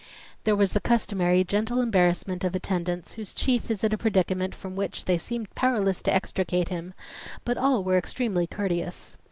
There was the customary gentle embarrassment of attendants whose chief is in a predicament from which they seem powerless to extricate him, but all were extremely courteous.